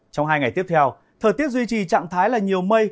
trong hai ngày tiếp theo thời tiết duy trì trạng thái là nhiều mây